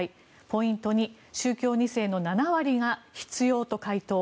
ポイント２宗教２世の７割が必要と回答。